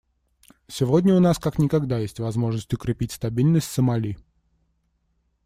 Сегодня у нас как никогда есть возможность укрепить стабильность в Сомали.